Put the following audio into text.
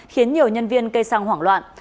khiến nhiều nhân viên cây xăng hoảng loạn